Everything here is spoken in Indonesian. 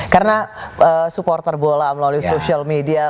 karena supporter bola melalui social media